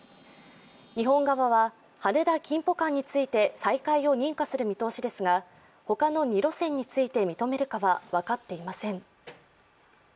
日本側は、羽田−キンポ間について再開を認可する見通しですが、他の２路線について認めるかは分かっていません。